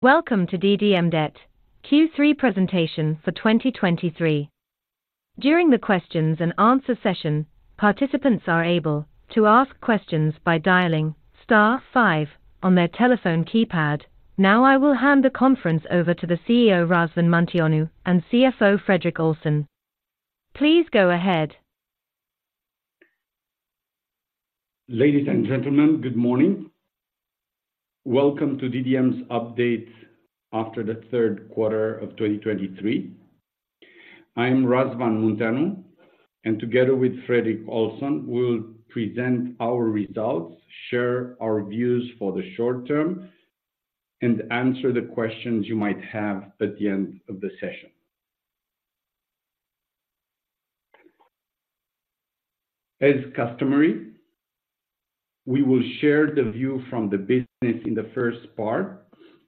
Welcome to DDM Debt Q3 presentation for 2023. During the questions and answer session, participants are able to ask questions by dialing star five on their telephone keypad. Now, I will hand the conference over to the CEO, Razvan Munteanu, and CFO, Fredrik Olsson. Please go ahead. Ladies and gentlemen, good morning. Welcome to DDM's update after the third quarter of 2023. I am Razvan Munteanu, and together with Fredrik Olsson, we'll present our results, share our views for the short term, and answer the questions you might have at the end of the session. As customary, we will share the view from the business in the first part,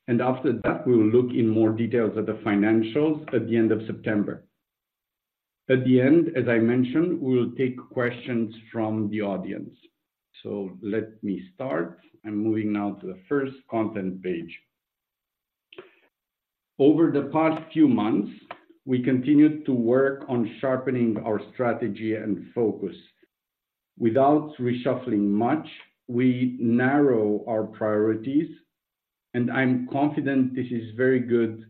and after that, we will look in more details at the financials at the end of September. At the end, as I mentioned, we will take questions from the audience. So let me start. I'm moving now to the first content page. Over the past few months, we continued to work on sharpening our strategy and focus. Without reshuffling much, we narrow our priorities, and I'm confident this is very good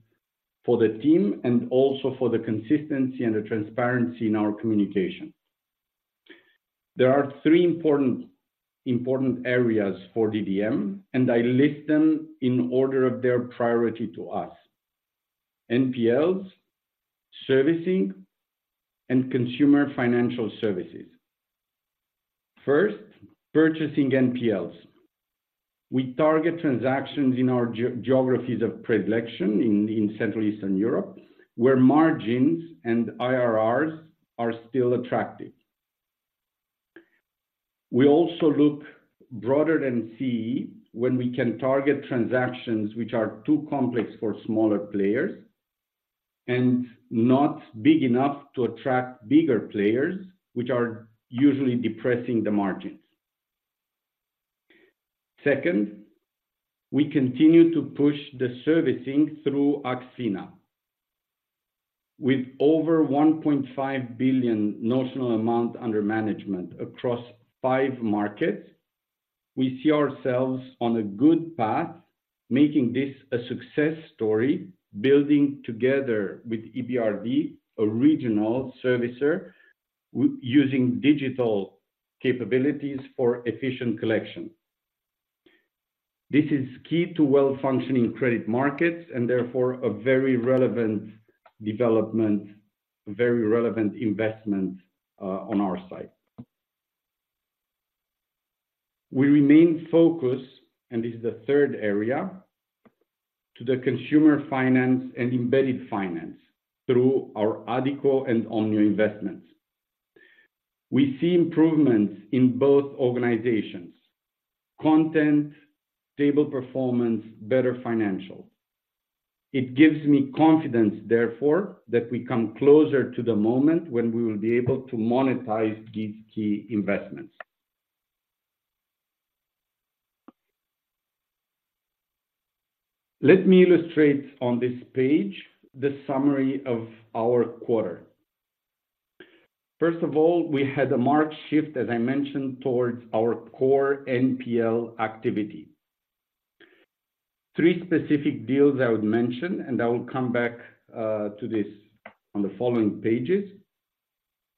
for the team and also for the consistency and the transparency in our communication. There are three important, important areas for DDM, and I list them in order of their priority to us: NPLs, servicing, and consumer financial services. First, purchasing NPLs. We target transactions in our geographies of predilection in Central and Eastern Europe, where margins and IRRs are still attractive. We also look broader than CEE when we can target transactions which are too complex for smaller players and not big enough to attract bigger players, which are usually depressing the margins. Second, we continue to push the servicing through AxFina. With over 1.5 billion notional amount under management across five markets, we see ourselves on a good path, making this a success story, building together with EBRD, a regional servicer, using digital capabilities for efficient collection. This is key to well-functioning credit markets and therefore a very relevant development, very relevant investment, on our side. We remain focused, and this is the third area, to the consumer finance and embedded finance through our Addiko and Omnio investments. We see improvements in both organizations, content, stable performance, better financial. It gives me confidence, therefore, that we come closer to the moment when we will be able to monetize these key investments. Let me illustrate on this page the summary of our quarter. First of all, we had a marked shift, as I mentioned, towards our core NPL activity. Three specific deals I would mention, and I will come back to this on the following pages.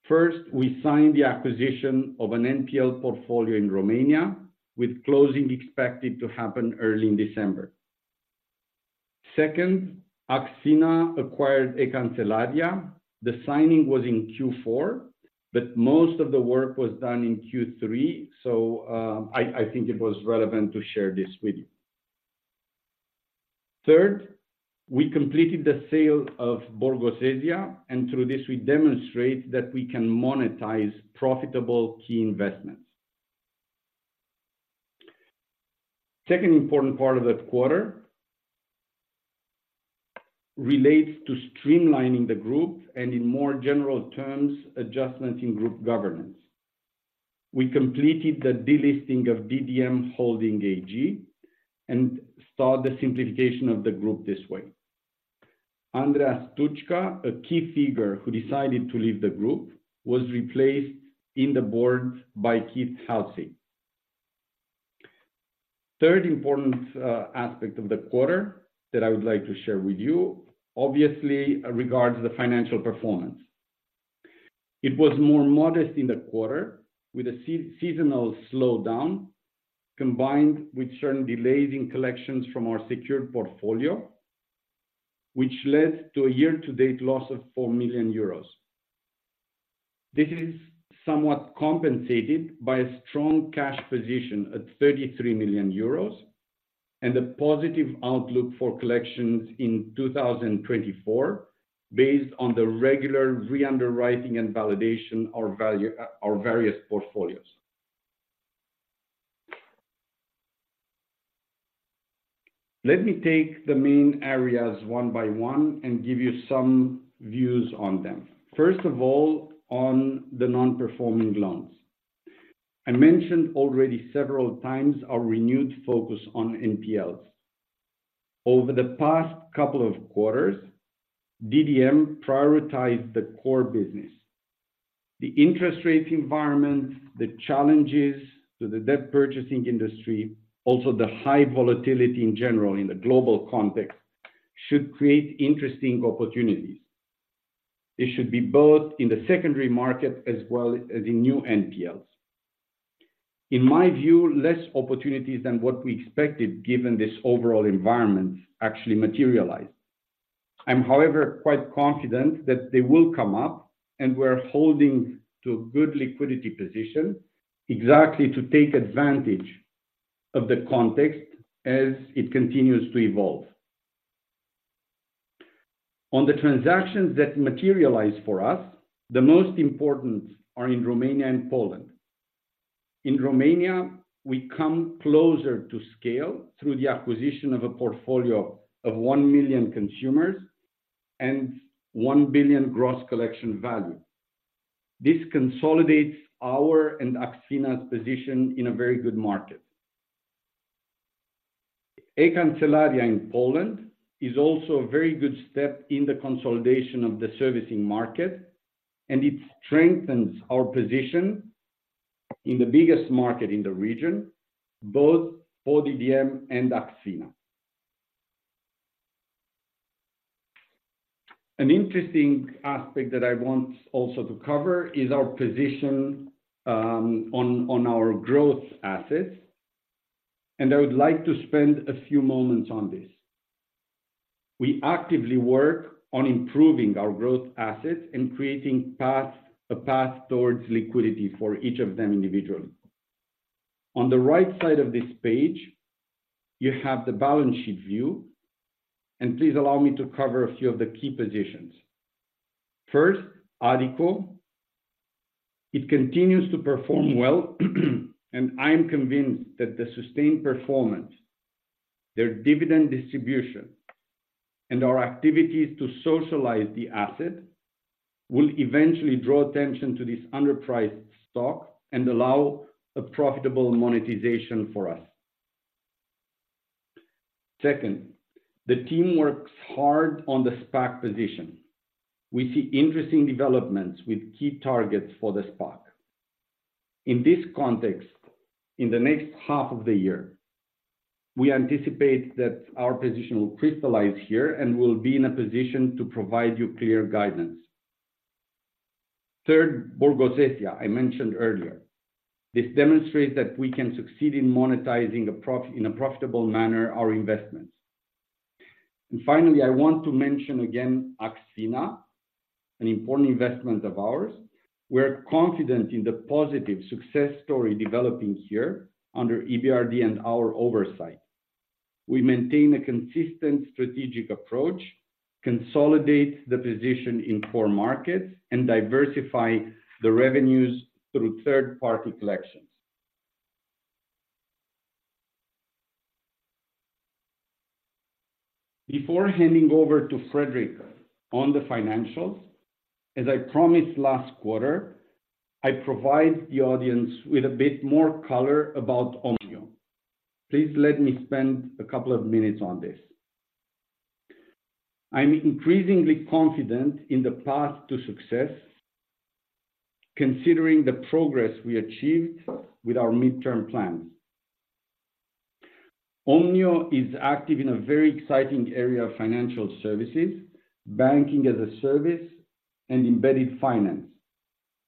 First, we signed the acquisition of an NPL portfolio in Romania, with closing expected to happen early in December. Second, AxFina acquired E-Kancelaria. The signing was in Q4, but most of the work was done in Q3, so I think it was relevant to share this with you. Third, we completed the sale of Borgosesia, and through this we demonstrate that we can monetize profitable key investments. Second important part of that quarter relates to streamlining the group and, in more general terms, adjustments in group governance. We completed the delisting of DDM Holding AG and start the simplification of the group this way. Andreas Tuczka, a key figure who decided to leave the group, was replaced in the board by Keith Halsey. Third important aspect of the quarter that I would like to share with you, obviously, regards the financial performance. It was more modest in the quarter, with a seasonal slowdown, combined with certain delays in collections from our secured portfolio, which led to a year-to-date loss of 4 million euros. This is somewhat compensated by a strong cash position at 33 million euros and a positive outlook for collections in 2024, based on the regular re-underwriting and validation our value-- our various portfolios. Let me take the main areas one by one and give you some views on them. First of all, on the non-performing loans. I mentioned already several times our renewed focus on NPLs. Over the past couple of quarters, DDM prioritized the core business. The interest rate environment, the challenges to the debt purchasing industry, also the high volatility in general in the global context, should create interesting opportunities. It should be both in the secondary market as well as in new NPLs. In my view, less opportunities than what we expected, given this overall environment actually materialized. I'm, however, quite confident that they will come up, and we're holding to good liquidity position, exactly to take advantage of the context as it continues to evolve. On the transactions that materialize for us, the most important are in Romania and Poland. In Romania, we come closer to scale through the acquisition of a portfolio of 1 million consumers and 1 billion gross collection value. This consolidates our and AxFina's position in a very good market. E-Kancelaria in Poland is also a very good step in the consolidation of the servicing market, and it strengthens our position in the biggest market in the region, both for DDM and AxFina. An interesting aspect that I want also to cover is our position on our growth assets, and I would like to spend a few moments on this. We actively work on improving our growth assets and creating paths, a path towards liquidity for each of them individually. On the right side of this page, you have the balance sheet view, and please allow me to cover a few of the key positions. First, Addiko. It continues to perform well, and I am convinced that the sustained performance, their dividend distribution, and our activities to socialize the asset, will eventually draw attention to this underpriced stock and allow a profitable monetization for us. Second, the team works hard on the SPAC position. We see interesting developments with key targets for the SPAC. In this context, in the next half of the year, we anticipate that our position will crystallize here, and we'll be in a position to provide you clear guidance. Third, Borgosesia, I mentioned earlier. This demonstrates that we can succeed in monetizing in a profitable manner our investments. And finally, I want to mention again, AxFina, an important investment of ours. We're confident in the positive success story developing here under EBRD and our oversight. We maintain a consistent strategic approach, consolidate the position in core markets, and diversify the revenues through third-party collections. Before handing over to Fredrik on the financials, as I promised last quarter, I provide the audience with a bit more color about Omnio. Please let me spend a couple of minutes on this. I'm increasingly confident in the path to success, considering the progress we achieved with our midterm plans. Omnio is active in a very exciting area of financial services, banking as a service, and embedded finance.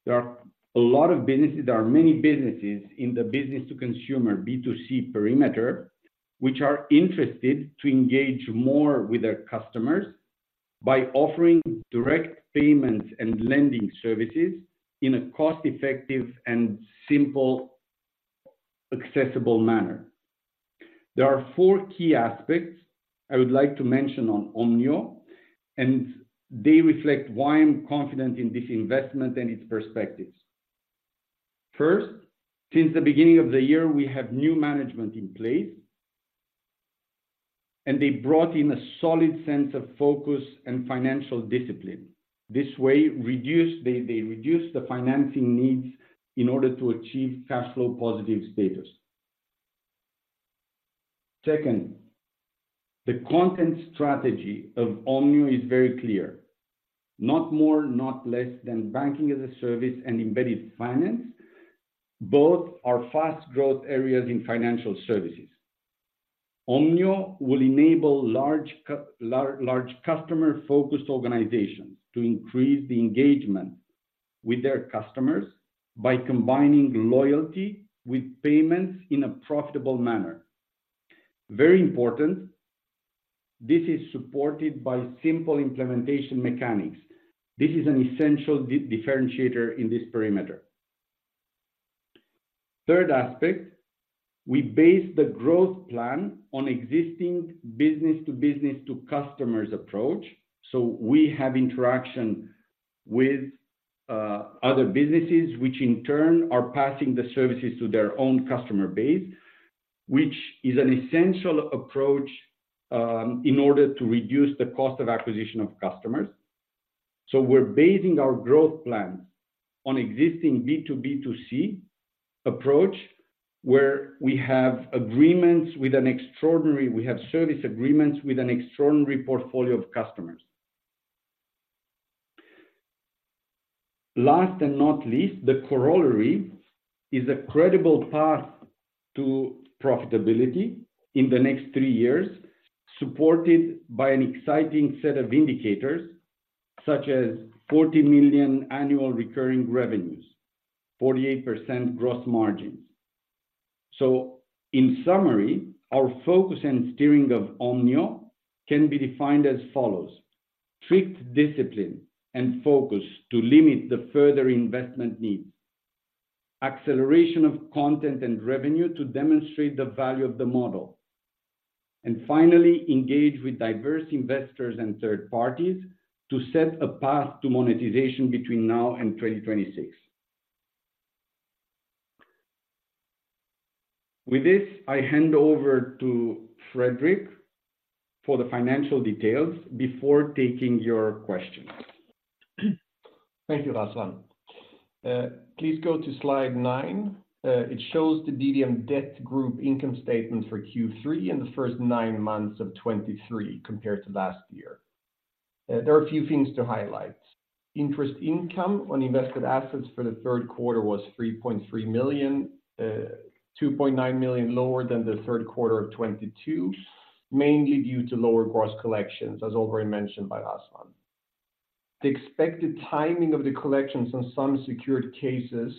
There are many businesses in the business-to-consumer, B2C, perimeter, which are interested to engage more with their customers by offering direct payments and lending services in a cost-effective and simple, accessible manner. There are four key aspects I would like to mention on Omnio, and they reflect why I'm confident in this investment and its perspectives. First, since the beginning of the year, we have new management in place, and they brought in a solid sense of focus and financial discipline. This way, they reduced the financing needs in order to achieve cash flow positive status. Second, the content strategy of Omnio is very clear. Not more, not less than banking as a service and embedded finance. Both are fast growth areas in financial services. Omnio will enable large customer-focused organizations to increase the engagement with their customers by combining loyalty with payments in a profitable manner. Very important, this is supported by simple implementation mechanics. This is an essential differentiator in this perimeter. Third aspect, we base the growth plan on existing business to business to customers approach. So we have interaction with other businesses, which in turn are passing the services to their own customer base, which is an essential approach in order to reduce the cost of acquisition of customers. So we're basing our growth plans on existing B2B2C approach, where we have service agreements with an extraordinary portfolio of customers. Last, and not least, the corollary is a credible path to profitability in the next three years, supported by an exciting set of indicators, such as 40 million annual recurring revenues, 48% gross margins. So in summary, our focus and steering of Omnio can be defined as follows: strict discipline and focus to limit the further investment needs, acceleration of content and revenue to demonstrate the value of the model, and finally, engage with diverse investors and third parties to set a path to monetization between now and 2026. With this, I hand over to Fredrik for the financial details before taking your questions. Thank you, Razvan. Please go to slide nine. It shows the DDM Debt Group income statement for Q3 and the first nine months of 2023, compared to last year. There are a few things to highlight. Interest income on invested assets for the third quarter was 3.3 million, 2.9 million lower than the third quarter of 2022, mainly due to lower gross collections, as already mentioned by Razvan. The expected timing of the collections on some secured cases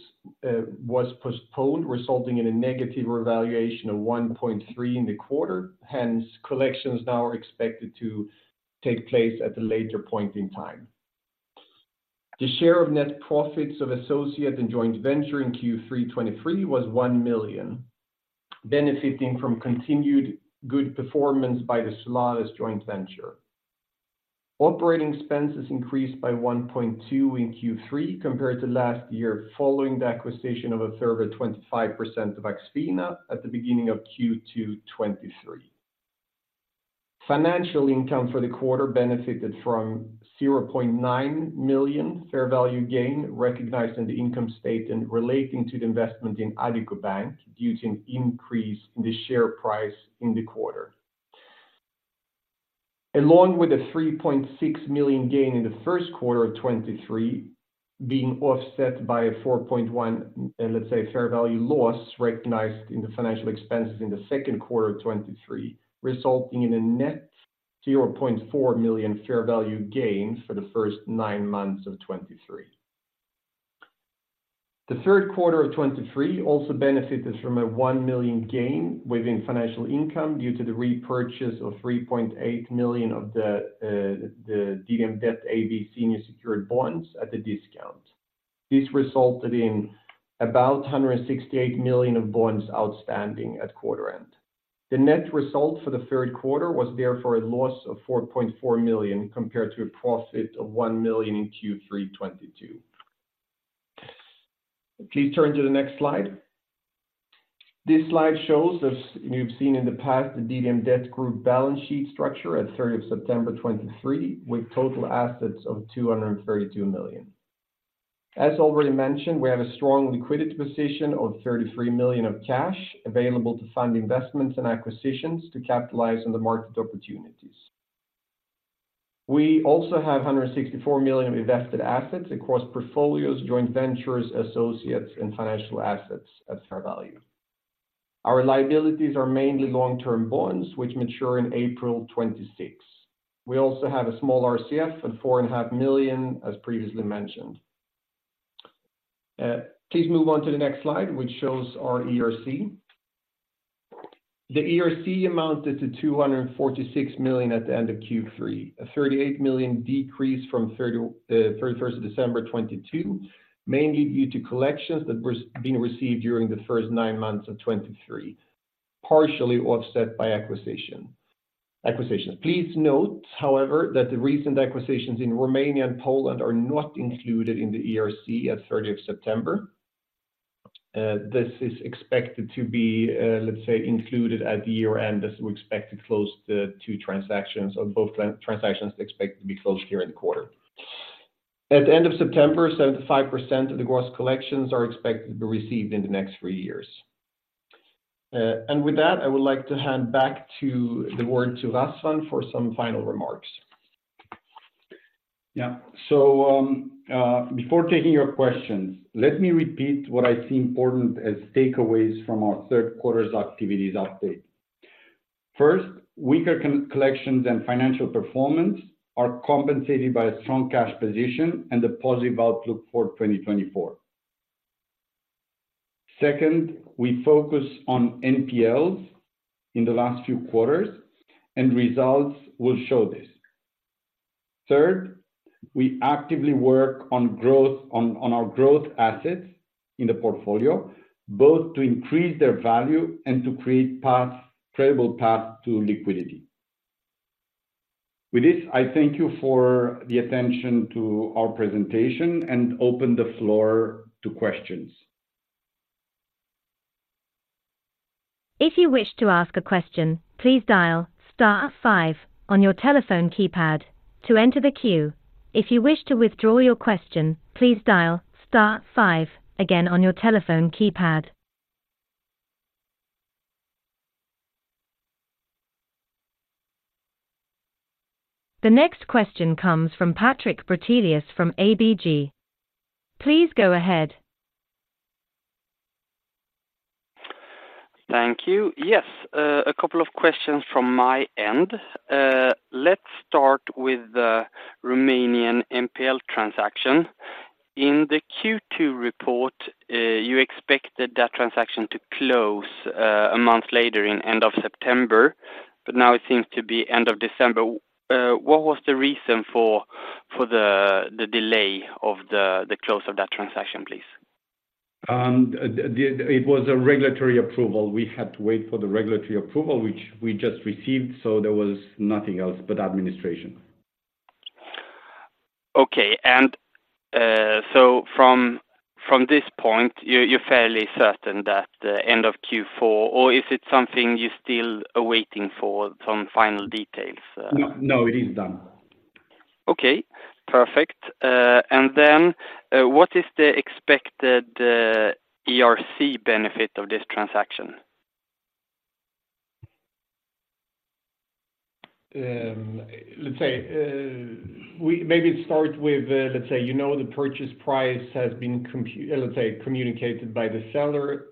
was postponed, resulting in a negative revaluation of 1.3 million in the quarter. Hence, collections now are expected to take place at a later point in time. The share of net profits of associate and joint venture in Q3 2023 was 1 million, benefiting from continued good performance by the Solaris joint venture. Operating expenses increased by 1.2 in Q3 compared to last year, following the acquisition of a further 25% of AxFina at the beginning of Q2 2023. Financial income for the quarter benefited from 0.9 million fair value gain, recognized in the income statement relating to the investment in Addiko Bank, due to an increase in the share price in the quarter. Along with a 3.6 million gain in the first quarter of 2023, being offset by a 4.1, let's say, fair value loss recognized in the financial expenses in the second quarter of 2023, resulting in a net 0.4 million fair value gain for the first nine months of 2023. The third quarter of 2023 also benefited from a 1 million gain within financial income due to the repurchase of 3.8 million of the DDM Debt AB senior secured bonds at a discount. This resulted in about 168 million of bonds outstanding at quarter end. The net result for the third quarter was therefore a loss of 4.4 million, compared to a profit of 1 million in Q3 2022. Please turn to the next slide. This slide shows, as you've seen in the past, the DDM Debt Group balance sheet structure as of 3rd September 2023, with total assets of 232 million. As already mentioned, we have a strong liquidity position of 33 million of cash available to fund investments and acquisitions to capitalize on the market opportunities. We also have 164 million of invested assets across portfolios, joint ventures, associates, and financial assets at fair value. Our liabilities are mainly long-term bonds, which mature in April 2026. We also have a small RCF of 4.5 million, as previously mentioned. Please move on to the next slide, which shows our ERC. The ERC amounted to 246 million at the end of Q3, a 38 million decrease from 31st December 2022, mainly due to collections that was being received during the first nine months of 2023, partially offset by acquisition, acquisitions. Please note, however, that the recent acquisitions in Romania and Poland are not included in the ERC as of 30th September. This is expected to be, let's say, included at the year-end, as we expect to close the two transactions or both transactions expected to be closed here in the quarter. At the end of September, 75% of the gross collections are expected to be received in the next three years. And with that, I would like to hand the word back to Razvan for some final remarks. Yeah. So, before taking your questions, let me repeat what I see important as takeaways from our third quarter's activities update. First, weaker collections and financial performance are compensated by a strong cash position and a positive outlook for 2024. Second, we focus on NPLs in the last few quarters, and results will show this. Third, we actively work on our growth assets in the portfolio, both to increase their value and to create paths, credible paths to liquidity. With this, I thank you for the attention to our presentation and open the floor to questions. ...If you wish to ask a question, please dial star five on your telephone keypad to enter the queue. If you wish to withdraw your question, please dial star five again on your telephone keypad. The next question comes from Patrik Brattelius from ABG. Please go ahead. Thank you. Yes, a couple of questions from my end. Let's start with the Romanian NPL transaction. In the Q2 report, you expected that transaction to close a month later in end of September, but now it seems to be end of December. What was the reason for the delay of the close of that transaction, please? It was a regulatory approval. We had to wait for the regulatory approval, which we just received, so there was nothing else but administration. Okay. So from this point, you're fairly certain that end of Q4, or is it something you still are waiting for some final details? No, no, it is done. Okay, perfect. And then, what is the expected ERC benefit of this transaction? Let's say, you know, the purchase price has been communicated by the seller.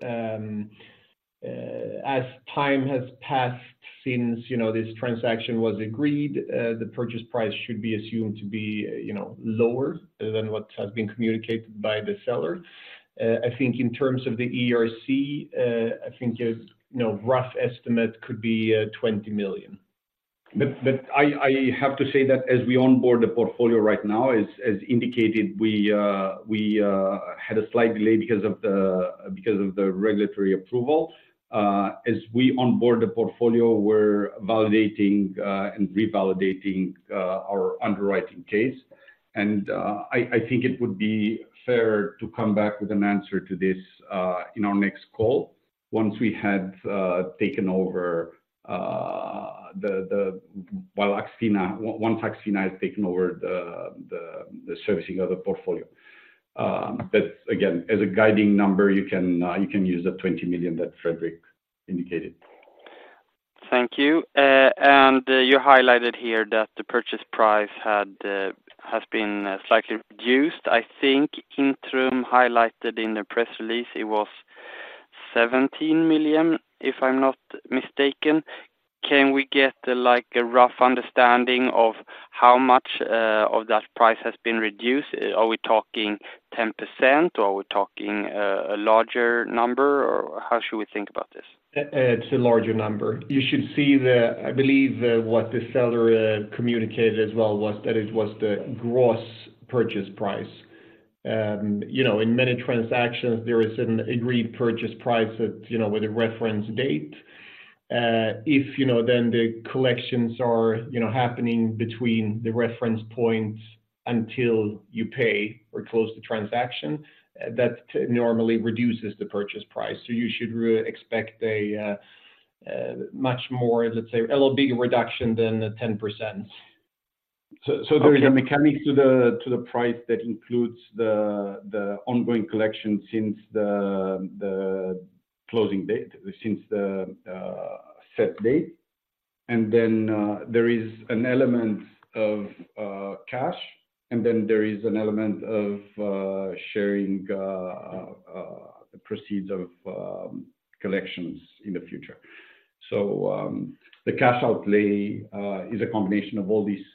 As time has passed since, you know, this transaction was agreed, the purchase price should be assumed to be, you know, lower than what has been communicated by the seller. I think in terms of the ERC, I think there's, you know, rough estimate could be, 20 million. But I have to say that as we onboard the portfolio right now, as indicated, we had a slight delay because of the regulatory approval. As we onboard the portfolio, we're validating and revalidating our underwriting case. And I think it would be fair to come back with an answer to this in our next call once AxFina has taken over the servicing of the portfolio. But again, as a guiding number, you can use the 20 million that Fredrik indicated. Thank you. And you highlighted here that the purchase price had has been slightly reduced. I think Intrum highlighted in the press release it was 17 million, if I'm not mistaken. Can we get the, like a rough understanding of how much of that price has been reduced? Are we talking 10%, or are we talking a larger number, or how should we think about this? It's a larger number. You should see the... I believe, what the seller, communicated as well was that it was the gross purchase price. You know, in many transactions, there is an agreed purchase price that, you know, with a reference date. If, you know, then the collections are, you know, happening between the reference points until you pay or close the transaction, that normally reduces the purchase price. So you should expect a much more, let's say, a little bigger reduction than the 10%. There is a mechanic to the price that includes the ongoing collection since the closing date, since the set date. And then, there is an element of cash, and then there is an element of sharing proceeds of collections in the future. So, the cash outlay is a combination of all these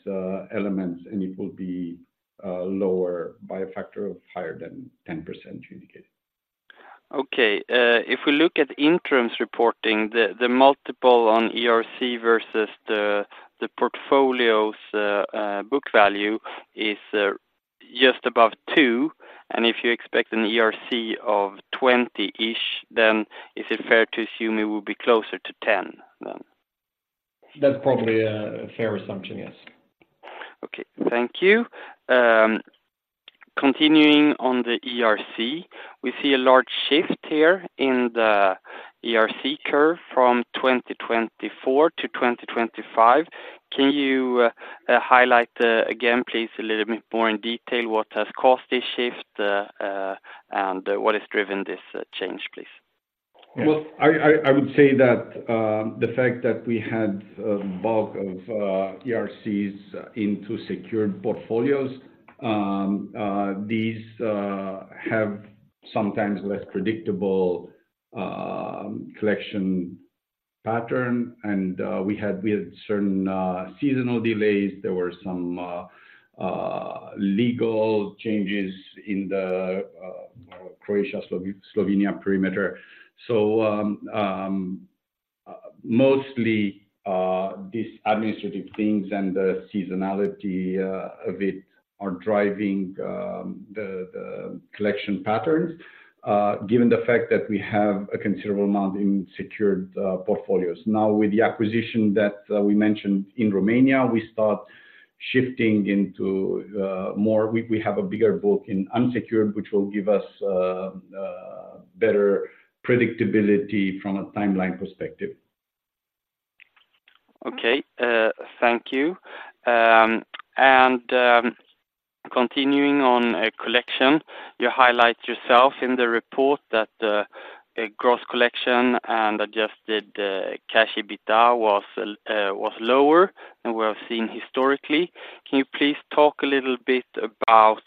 elements, and it will be lower by a factor of higher than 10% you indicated. Okay. If we look at Intrum's reporting, the multiple on ERC versus the portfolio's book value is just above two, and if you expect an ERC of 20-ish, then is it fair to assume it will be closer to 10 then? That's probably a fair assumption, yes. Okay. Thank you. Continuing on the ERC, we see a large shift here in the ERC curve from 2024 to 2025. Can you highlight again, please, a little bit more in detail what has caused this shift, and what has driven this change, please? Well, I would say that the fact that we had a bulk of ERCs into secured portfolios, these have sometimes less predictable collection pattern, and we had certain seasonal delays. There were some legal changes in the Croatia, Slovenia perimeter. So, mostly these administrative things and the seasonality of it are driving the collection patterns, given the fact that we have a considerable amount in secured portfolios. Now, with the acquisition that we mentioned in Romania, we start-... shifting into more, we have a bigger book in unsecured, which will give us better predictability from a timeline perspective. Okay. Thank you. Continuing on collection, you highlight yourself in the report that a gross collection and adjusted Cash EBITDA was lower than we have seen historically. Can you please talk a little bit about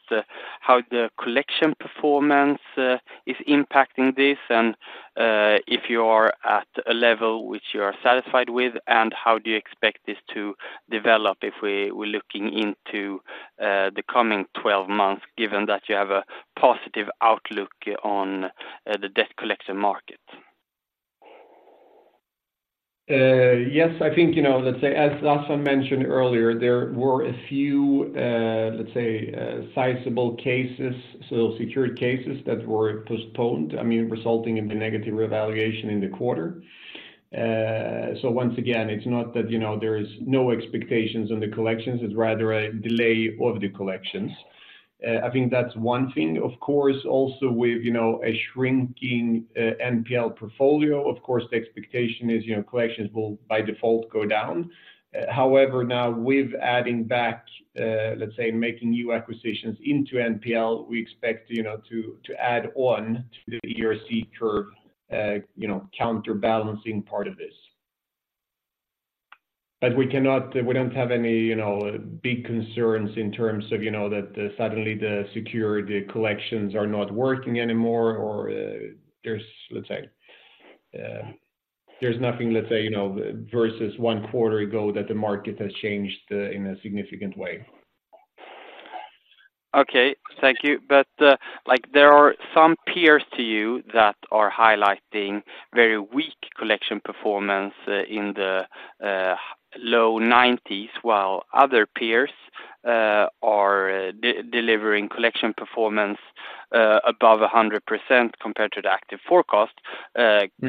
how the collection performance is impacting this? And if you are at a level which you are satisfied with, and how do you expect this to develop if we're looking into the coming 12 months, given that you have a positive outlook on the debt collection market? Yes, I think, you know, let's say, as Razvan mentioned earlier, there were a few, let's say, sizable cases, so secured cases that were postponed, I mean, resulting in the negative revaluation in the quarter. So once again, it's not that, you know, there is no expectations on the collections, it's rather a delay of the collections. I think that's one thing. Of course, also with, you know, a shrinking NPL portfolio, of course, the expectation is, you know, collections will, by default, go down. However, now, with adding back, let's say, making new acquisitions into NPL, we expect, you know, to, to add on to the ERC curve, you know, counterbalancing part of this. But we cannot. We don't have any, you know, big concerns in terms of, you know, that suddenly the secured collections are not working anymore, or, there's, let's say, there's nothing, let's say, you know, versus one quarter ago, that the market has changed in a significant way. Okay. Thank you. But, like, there are some peers to you that are highlighting very weak collection performance in the low 90%, while other peers are delivering collection performance above 100% compared to the active forecast. Mm-hmm.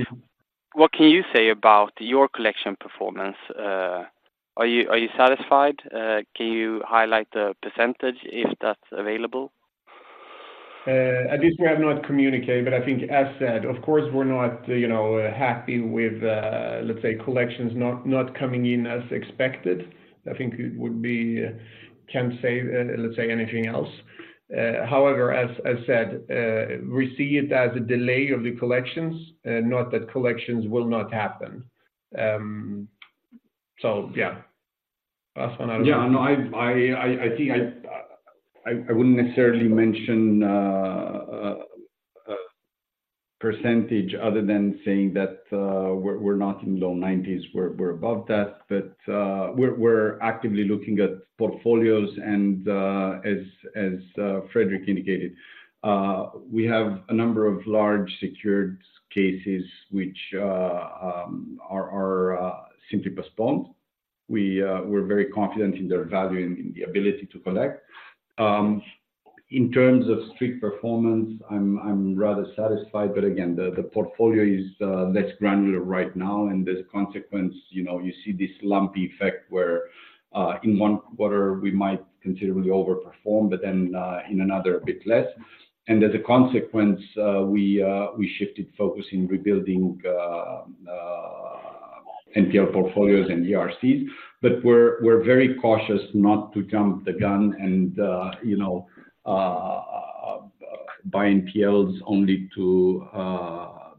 What can you say about your collection performance? Are you, are you satisfied? Can you highlight the percentage, if that's available? This we have not communicated, but I think as said, of course, we're not, you know, happy with, let's say, collections not, not coming in as expected. I think it would be, can't say, let's say anything else. However, as, as said, we see it as a delay of the collections, not that collections will not happen. So yeah. Razvan...? Yeah. No, I think I wouldn't necessarily mention a percentage other than saying that, we're not in low 90s, we're above that. But, we're actively looking at portfolios and, as Fredrik indicated, we have a number of large secured cases which are simply postponed. We're very confident in their value and in the ability to collect. In terms of strict performance, I'm rather satisfied, but again, the portfolio is less granular right now, and as a consequence, you know, you see this lumpy effect where, in one quarter we might considerably overperform, but then, in another, a bit less. And as a consequence, we shifted focus in rebuilding NPL portfolios and ERCs. But we're very cautious not to jump the gun and, you know, buy NPLs only to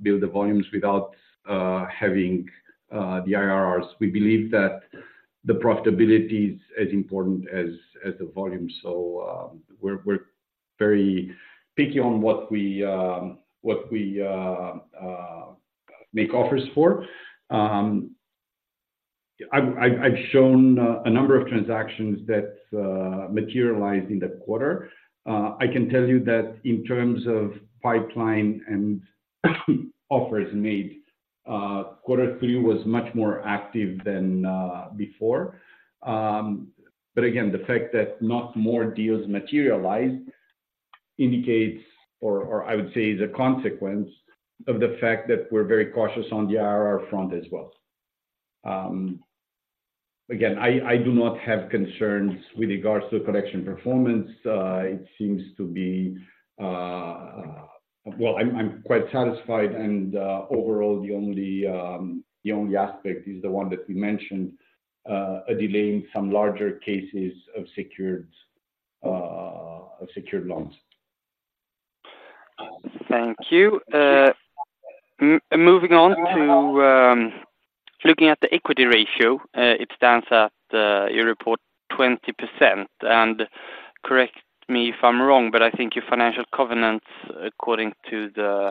build the volumes without having the IRRs. We believe that the profitability is as important as the volume. So, we're very picky on what we make offers for. I've shown a number of transactions that materialized in the quarter. I can tell you that in terms of pipeline and offers made, quarter three was much more active than before. But again, the fact that not more deals materialized indicates, or I would say, is a consequence of the fact that we're very cautious on the IRR front as well. Again, I do not have concerns with regards to the collection performance. It seems to be... Well, I'm quite satisfied, and overall, the only aspect is the one that we mentioned, a delay in some larger cases of secured loans. Thank you. Moving on to looking at the equity ratio, it stands at, you report 20%. Correct me if I'm wrong, but I think your financial covenants, according to the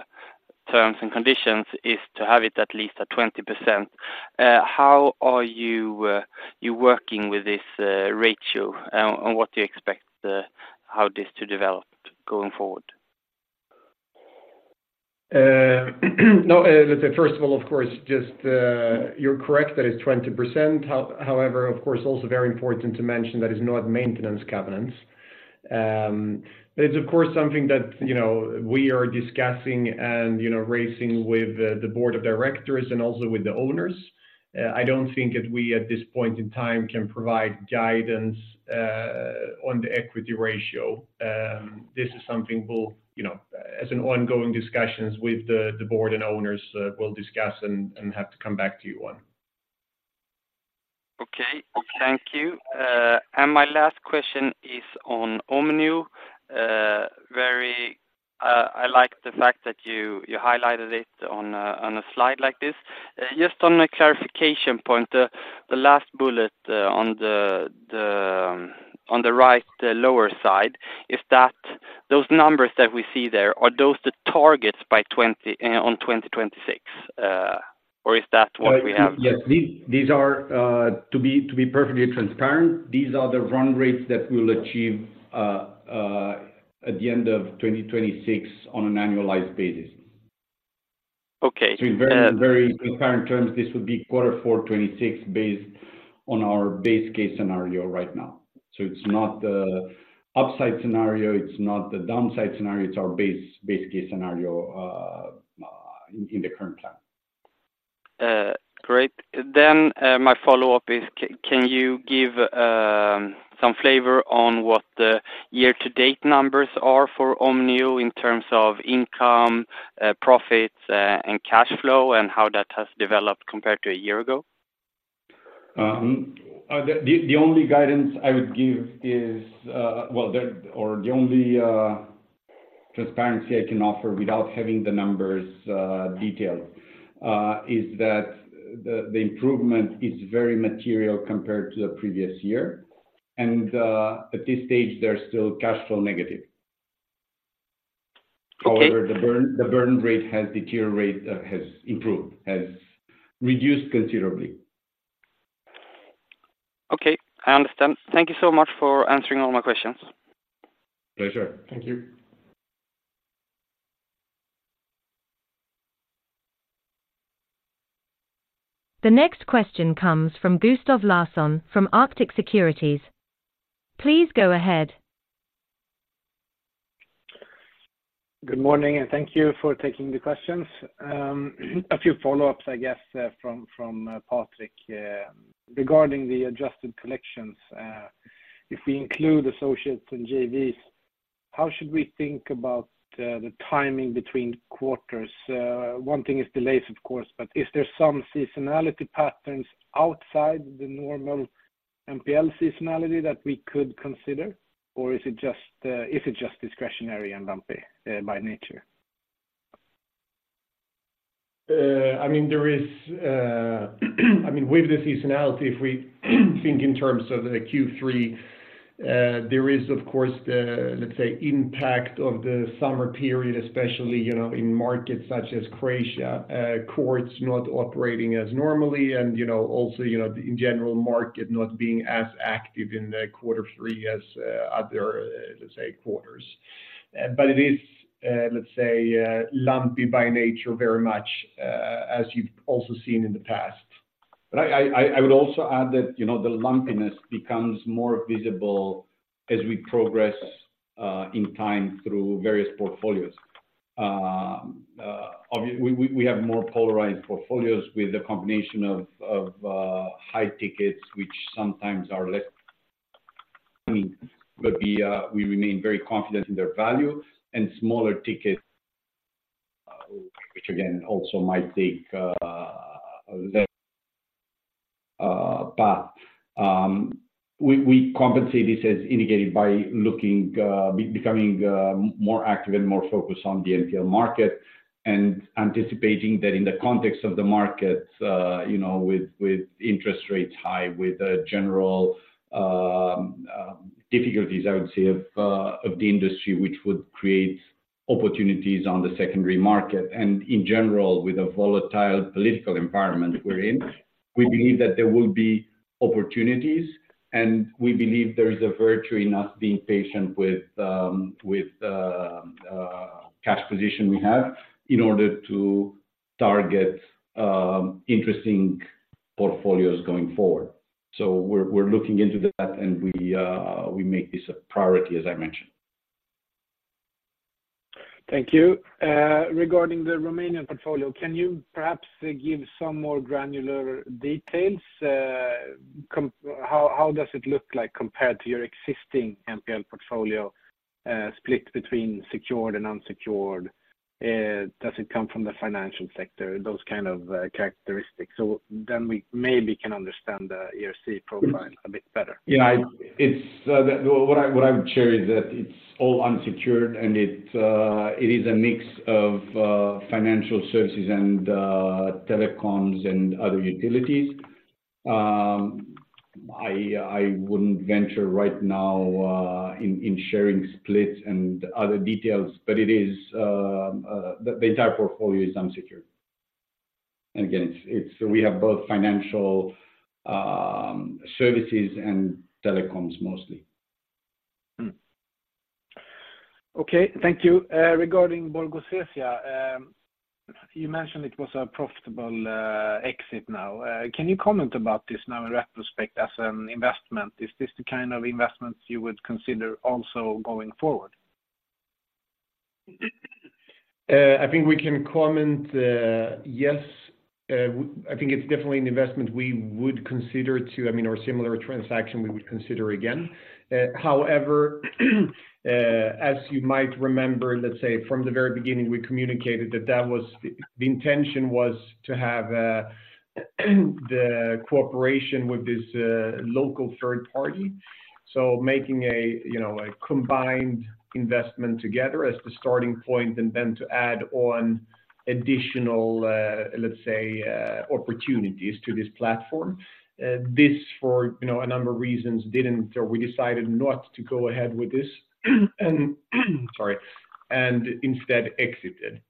terms and conditions, is to have it at least at 20%. How are you working with this ratio, and what do you expect, how this to develop going forward? No, let's say, first of all, of course, just, you're correct, that it's 20%. However, of course, also very important to mention that is not maintenance covenants.... but it's of course something that, you know, we are discussing and, you know, raising with the board of directors and also with the owners. I don't think that we, at this point in time, can provide guidance on the equity ratio. This is something we'll, you know, as an ongoing discussions with the board and owners, we'll discuss and have to come back to you on. Okay, thank you. My last question is on Omnio, very, I like the fact that you, you highlighted it on a, on a slide like this. Just on a clarification point, the, the, last bullet, on the, the, on the right lower side, is that—those numbers that we see there, are those the targets by 2026? Or is that what we have? Yes. These, these are, to be, to be perfectly transparent, these are the run rates that we'll achieve, at the end of 2026 on an annualized basis. Okay. So in very, very current terms, this would be quarter four 2026, based on our best case scenario right now. So it's not the upside scenario, it's not the downside scenario, it's our base, best case scenario, in the current plan. Great. Then, my follow-up is, can you give some flavor on what the year-to-date numbers are for Omnio in terms of income, profits, and cash flow, and how that has developed compared to a year ago? The only guidance I would give is, well, or the only transparency I can offer without having the numbers detailed, is that the improvement is very material compared to the previous year, and at this stage, they're still cash flow negative. Okay. However, the burn, the burn rate has deteriorated, has improved, has reduced considerably. Okay, I understand. Thank you so much for answering all my questions. Pleasure. Thank you. The next question comes from Gustav Larsson from Arctic Securities. Please go ahead. Good morning, and thank you for taking the questions. A few follow-ups, I guess, from Patrik. Regarding the adjusted collections, if we include associates and JVs, how should we think about the timing between quarters? One thing is delays, of course, but is there some seasonality patterns outside the normal NPL seasonality that we could consider, or is it just discretionary and lumpy by nature? I mean, there is, I mean, with the seasonality, if we think in terms of the Q3, there is, of course, the, let's say, impact of the summer period, especially, you know, in markets such as Croatia, courts not operating as normally and, you know, also, you know, in general, market not being as active in the quarter three as, other, let's say, quarters. But it is, let's say, lumpy by nature very much, as you've also seen in the past. But I, I, I would also add that, you know, the lumpiness becomes more visible as we progress, in time through various portfolios. Obviously, we have more polarized portfolios with a combination of high tickets, which sometimes are less, I mean, but we remain very confident in their value and smaller tickets, which again, also might take less path. We compensate this as indicated by looking, becoming more active and more focused on the NPL market, and anticipating that in the context of the market, you know, with interest rates high, with the general difficulties, I would say, of the industry, which would create opportunities on the secondary market, and in general, with the volatile political environment we're in. We believe that there will be opportunities, and we believe there is a virtue in us being patient with cash position we have in order to target interesting portfolios going forward. So we're looking into that, and we make this a priority, as I mentioned. Thank you. Regarding the Romanian portfolio, can you perhaps give some more granular details? How does it look like compared to your existing NPL portfolio, split between secured and unsecured? Does it come from the financial sector, those kind of characteristics? So then we maybe can understand the ERC profile a bit better. Yeah, it's what I would share is that it's all unsecured, and it is a mix of financial services and telecoms and other utilities. I wouldn't venture right now in sharing splits and other details, but it is the entire portfolio is unsecured. And again, it's we have both financial services and telecoms, mostly. Okay, thank you. Regarding Borgosesia, you mentioned it was a profitable exit now. Can you comment about this now in retrospect, as an investment? Is this the kind of investment you would consider also going forward? I think we can comment, yes, I think it's definitely an investment we would consider to, I mean, or a similar transaction we would consider again. However, as you might remember, let's say from the very beginning, we communicated that that was the, the intention was to have, the cooperation with this, local third party. So making a, you know, a combined investment together as the starting point and then to add on additional, let's say, opportunities to this platform. This for, you know, a number of reasons, didn't, or we decided not to go ahead with this, and, sorry, and instead exited.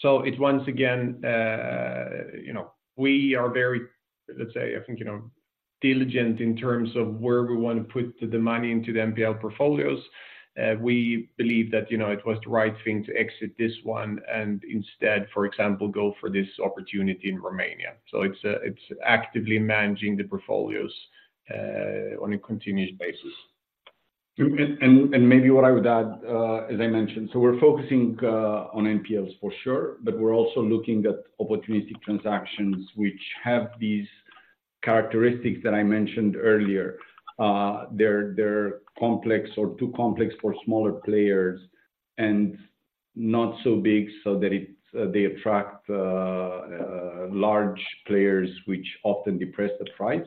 So it once again, you know, we are very, let's say, I think, you know, diligent in terms of where we want to put the money into the NPL portfolios. We believe that, you know, it was the right thing to exit this one and instead, for example, go for this opportunity in Romania. So it's, it's actively managing the portfolios, on a continuous basis. Maybe what I would add, as I mentioned, so we're focusing on NPLs for sure, but we're also looking at opportunistic transactions which have these characteristics that I mentioned earlier. They're complex or too complex for smaller players and not so big so that they attract large players, which often depress the price.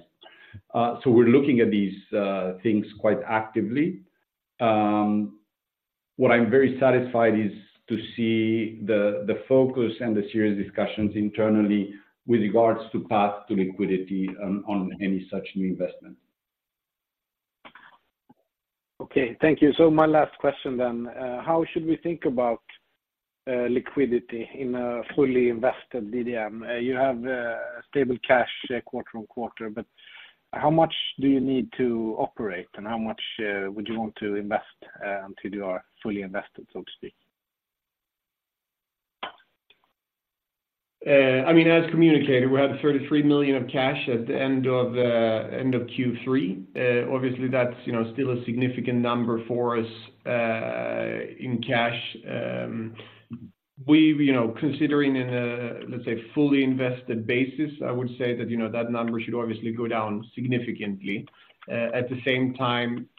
So we're looking at these things quite actively. What I'm very satisfied is to see the focus and the serious discussions internally with regards to path to liquidity on any such new investment. Okay, thank you. So my last question then, how should we think about, liquidity in a fully invested DDM? You have, stable cash quarter on quarter, but how much do you need to operate, and how much, would you want to invest, until you are fully invested, so to speak? I mean, as communicated, we had 33 million of cash at the end of Q3. Obviously, that's, you know, still a significant number for us in cash. We've, you know, considering in a, let's say, fully invested basis, I would say that, you know, that number should obviously go down significantly. At the same time,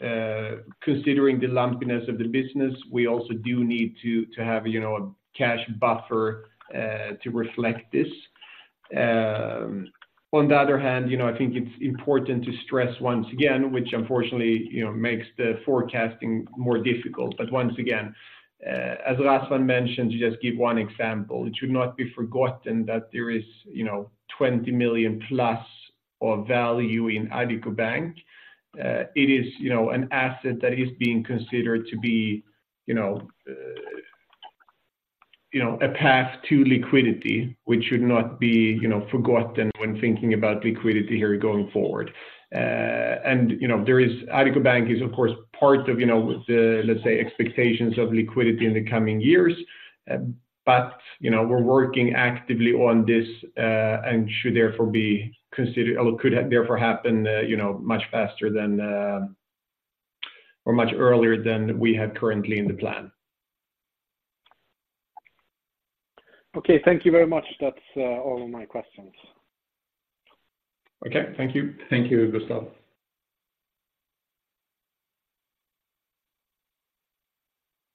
considering the lumpiness of the business, we also do need to have, you know, a cash buffer to reflect this. On the other hand, you know, I think it's important to stress once again, which unfortunately, you know, makes the forecasting more difficult. But once again, as Razvan mentioned, to just give one example, it should not be forgotten that there is, you know, 20 million plus of value in Addiko Bank. It is, you know, an asset that is being considered to be, you know, a path to liquidity, which should not be, you know, forgotten when thinking about liquidity here going forward. And, you know, there is Addiko Bank, is, of course, part of, you know, the, let's say, expectations of liquidity in the coming years. But, you know, we're working actively on this, and should therefore be considered or could therefore happen, you know, much faster than, or much earlier than we have currently in the plan. Okay, thank you very much. That's all of my questions. Okay, thank you. Thank you, Gustav.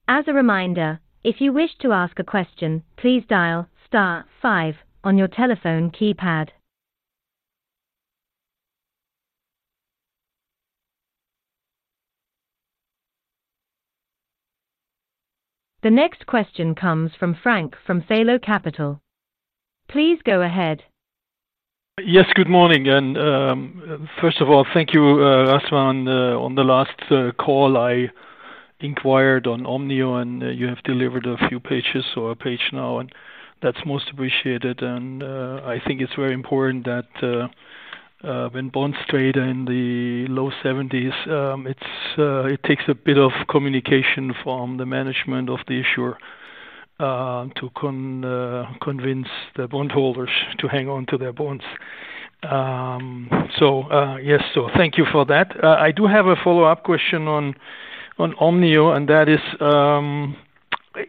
As a reminder, if you wish to ask a question, please dial star five on your telephone keypad. The next question comes from Frank, from Salo Capital. Please go ahead. Yes, good morning, and, first of all, thank you, Razvan. On the last call, I inquired on Omnio, and you have delivered a few pages or a page now, and that's most appreciated. And, I think it's very important that, when bond trade in the low 70s, it's, it takes a bit of communication from the management of the issuer, to convince the bondholders to hang on to their bonds. So, yes, so thank you for that. I do have a follow-up question on, on Omnio, and that is,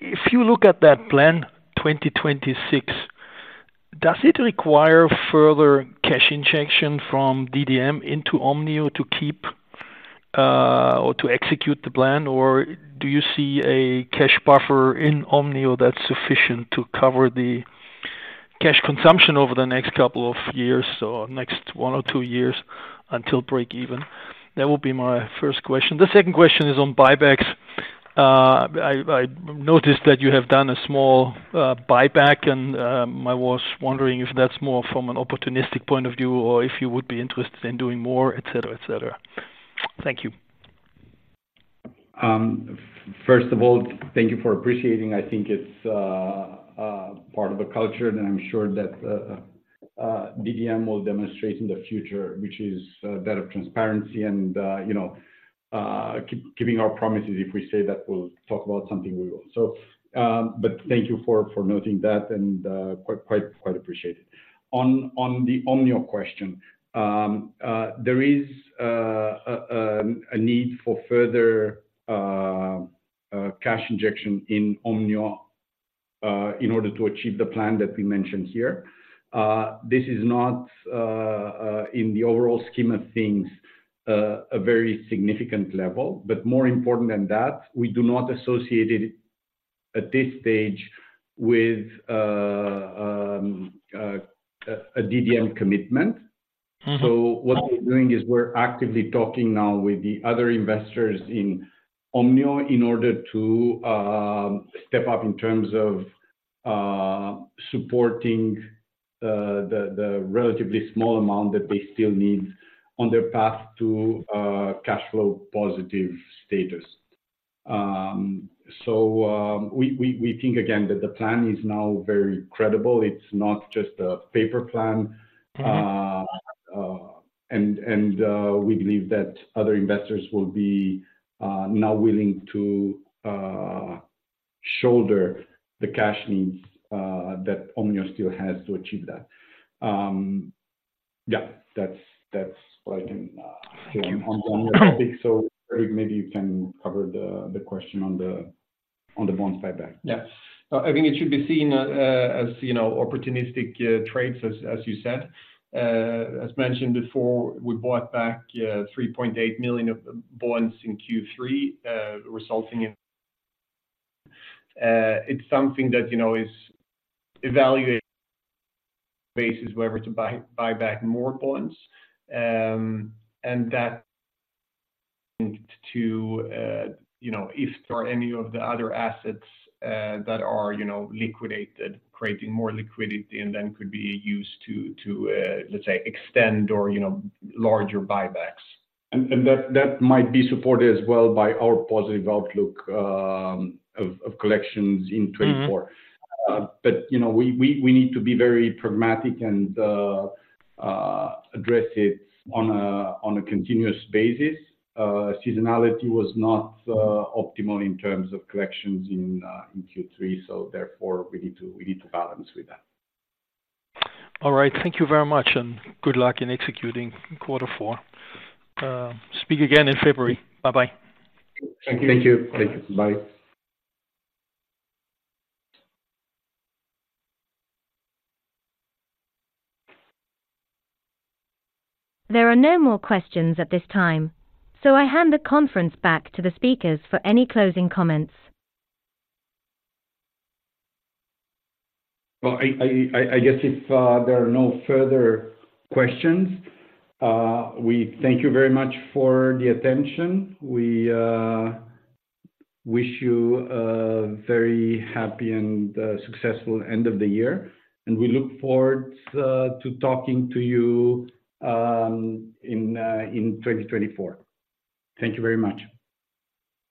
if you look at that plan, 2026, does it require further cash injection from DDM into Omnio to keep, or to execute the plan? Or do you see a cash buffer in Omnio that's sufficient to cover the cash consumption over the next couple of years or next one or two years until breakeven? That will be my first question. The second question is on buybacks. I noticed that you have done a small buyback, and I was wondering if that's more from an opportunistic point of view or if you would be interested in doing more, et cetera, et cetera. Thank you. First of all, thank you for appreciating. I think it's part of a culture, and I'm sure that DDM will demonstrate in the future, which is better transparency and, you know, keeping our promises. If we say that we'll talk about something, we will. So, but thank you for noting that and quite appreciate it. On the Omnio question. There is a need for further cash injection in Omnio, in order to achieve the plan that we mentioned here. This is not in the overall scheme of things a very significant level, but more important than that, we do not associate it at this stage with a DDM commitment. Mm-hmm. What we're doing is we're actively talking now with the other investors in Omnio in order to step up in terms of supporting the relatively small amount that they still need on their path to cash flow positive status. So, we think again, that the plan is now very credible. It's not just a paper plan. Mm-hmm. We believe that other investors will be now willing to shoulder the cash needs that Omnio still has to achieve that. Yeah, that's what I can say on that topic. So, Fredrik, maybe you can cover the question on the bond buyback. Yeah. I think it should be seen as, you know, opportunistic trades as you said. As mentioned before, we bought back 3.8 million of bonds in Q3, resulting in... It's something that, you know, is evaluated basis whether to buy back more bonds, and that to, you know, if there are any of the other assets that are, you know, liquidated, creating more liquidity and then could be used to, to, let's say, extend or, you know, larger buybacks. That might be supported as well by our positive outlook of collections in 2024. Mm-hmm. But you know, we need to be very pragmatic and address it on a continuous basis. Seasonality was not optimal in terms of collections in Q3, so therefore we need to balance with that. All right. Thank you very much, and good luck in executing quarter four. Speak again in February. Bye-bye. Thank you. Thank you. Bye. There are no more questions at this time, so I hand the conference back to the speakers for any closing comments. Well, I guess if there are no further questions, we thank you very much for the attention. We wish you a very happy and successful end of the year, and we look forward to talking to you in 2024. Thank you very much.